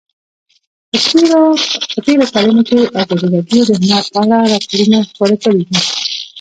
په تېرو کلونو کې ازادي راډیو د هنر په اړه راپورونه خپاره کړي دي.